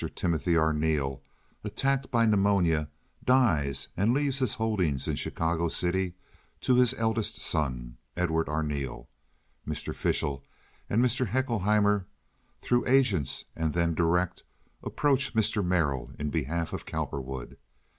Timothy Arneel, attacked by pneumonia, dies and leaves his holdings in Chicago City to his eldest son, Edward Arneel. Mr. Fishel and Mr. Haeckelheimer, through agents and then direct, approach Mr. Merrill in behalf of Cowperwood.